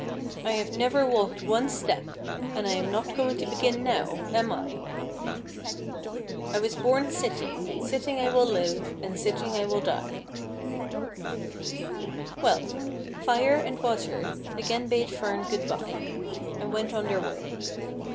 I have never walked one step, and I am not going to begin now, am I ? I was born sitting, sitting I will live, and sitting I will die." Well, Fire and Water again bade Fern good bye, and went on their way.